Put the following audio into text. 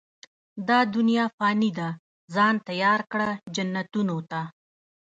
دا دنيا فاني ده، ځان تيار کړه، جنتونو ته